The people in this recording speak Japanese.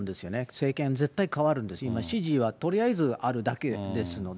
政権絶対変わるんです、今、支持はとりあえずあるだけですので。